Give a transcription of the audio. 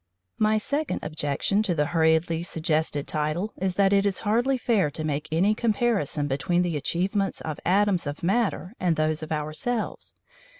My second objection to the hurriedly suggested title is that it is hardly fair to make any comparison between the achievements of atoms of matter and those of ourselves.